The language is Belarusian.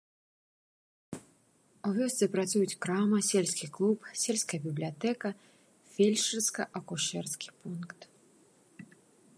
У вёсцы працуюць крама, сельскі клуб, сельская бібліятэка, фельчарска-акушэрскі пункт.